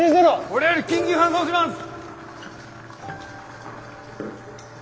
これより緊急搬送します。